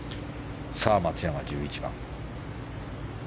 さあ、松山、１１番。